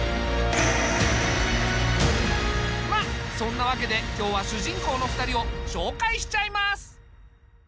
まあそんなわけで今日は主人公の２人を紹介しちゃいます。